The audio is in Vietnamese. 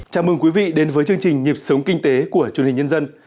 chào mừng quý vị đến với chương trình nhịp sống kinh tế của truyền hình nhân dân